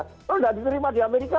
kalau tidak diterima di amerika